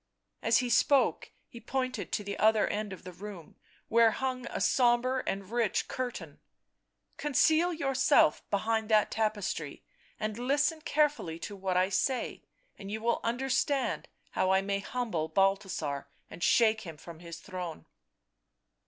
As he spoke he pointed to the other end of the room where hung a sombre and rich curtain. " Conceal yourself — behind that tapestry — and listen carefully to what I say, and you will understand how I may humble Balthasar and shake him from his throne."